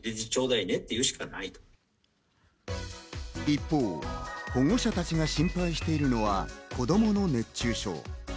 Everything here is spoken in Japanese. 一方、保護者たちが心配しているのが子供の熱中症。